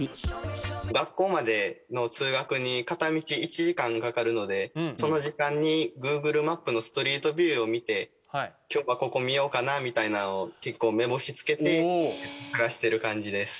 学校までの通学に片道１時間かかるのでその時間にグーグルマップのストリートビューを見て今日はここ見ようかなみたいなのを結構目星つけて増やしてる感じです。